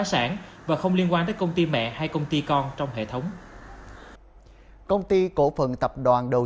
sản và không liên quan tới công ty mẹ hay công ty con trong hệ thống công ty cổ phần tập đoàn đầu